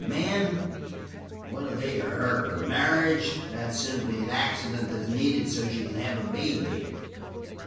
Men? What are they to her? Marriage? That's simply an accident that's needed so she can have a baby.